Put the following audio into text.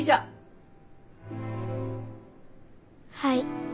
はい。